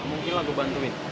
gak mungkin lah gue bantuin